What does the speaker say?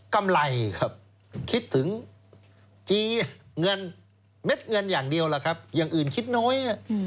กำไรครับคิดถึงเม็ดเงินอย่างเดียวอย่างอื่นคิดน้อย